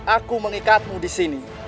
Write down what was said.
aku mengikatmu disini